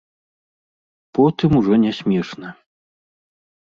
Потым ужо не смешна.